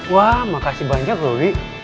wah makasih banyak loh ri